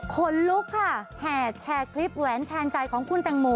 คนลุกค่ะแห่แชร์คลิปแหวนแทนใจของคุณแตงโม